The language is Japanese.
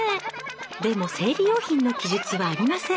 でも生理用品の記述はありません。